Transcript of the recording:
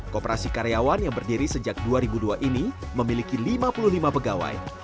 koperasi karyawan yang berdiri sejak dua ribu dua ini memiliki lima puluh lima pegawai